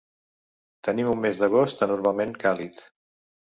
Tenim un mes d'agost anormalment càlid.